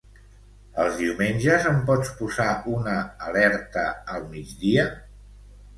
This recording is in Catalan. Els diumenges em pots posar una alerta al migdia?